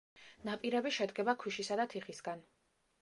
ნაპირები შედგება ქვიშისა და თიხისგან.